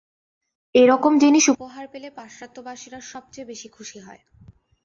এ-রকম জিনিষ উপহার পেলে পাশ্চাত্যবাসীরা সবচেয়ে বেশী খুশী হয়।